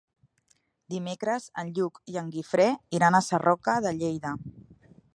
Dimecres en Lluc i en Guifré iran a Sarroca de Lleida.